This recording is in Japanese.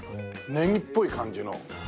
ネギっぽい感じの。